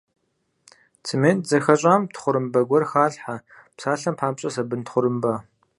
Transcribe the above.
Цемент зэхэщӀам тхъурымбэ гуэр халъхьэ, псалъэм папщӀэ, сабын тхъурымбэ.